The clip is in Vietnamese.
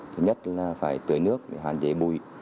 thứ nhất là phải tưới nước để hạn chế bùi